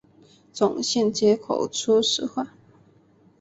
总线接口初始化